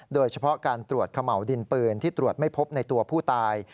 โดยเฉพาะการตรวจเขม่าวดินปืนที่ตรวจไม่พบในตัวผู้ตาย